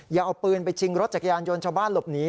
อย่าเอาปืนไปชิงรถจักรยานยนต์ชาวบ้านหลบหนี